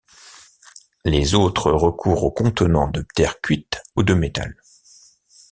Les autres recourent aux contenants de terre cuite ou de métal.